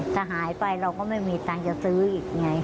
ถ้าหายไปเราก็ไม่มีตังค์จะซื้ออีกไง